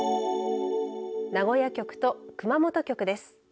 名古屋局と熊本局です。